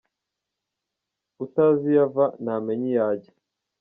Utazi iyo ava ntamenya iyo ajya.